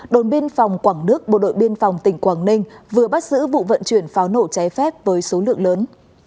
đồn biên phòng quảng đức bộ đội biên phòng tỉnh quảng ninh vừa bắt giữ vụ vận chuyển pháo nổ cháy phép với số lượng lớn